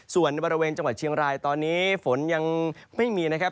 ส่วนในบริเวณจังหวัดเชียงรายตอนนี้ฝนยังไม่มีนะครับ